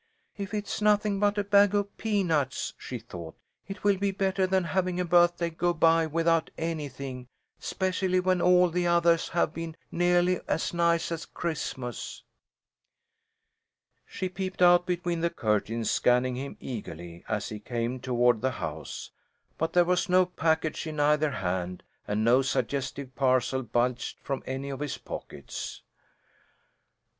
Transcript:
"If it's nothing but a bag of peanuts," she thought, "it will be better than having a birthday go by without anything, 'specially when all the othahs have been neahly as nice as Christmas." She peeped out between the curtains, scanning him eagerly as he came toward the house, but there was no package in either hand, and no suggestive parcel bulged from any of his pockets.